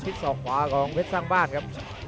ศอกขวาของเพชรสร้างบ้านครับ